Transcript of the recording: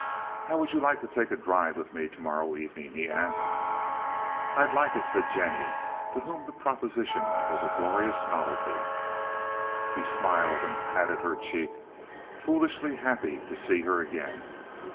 "How would you like to take a drive with me to morrow evening?" he asked. "I'd like it," said Jennie, to whom the proposition was a glorious novelty. He smiled and patted her cheek, foolishly happy to see her again.